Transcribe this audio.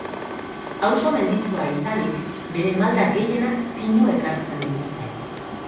Auzo menditsua izanik, bere malda gehienak pinuek hartzen dituzte.